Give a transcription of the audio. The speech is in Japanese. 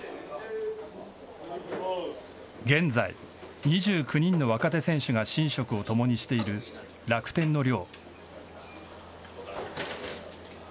現在、２９人の若手選手が寝食を共にしている楽天の寮。